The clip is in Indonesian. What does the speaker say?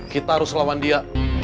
kita harus lawan dia